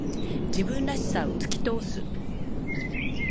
自分らしさを突き通す。